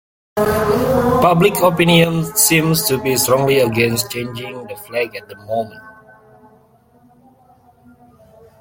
Public opinion seems to be strongly against changing the flag at the moment.